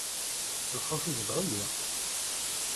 Lxuf izdeɣ-iyi.